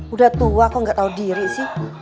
udah tua kok gak tau diri sih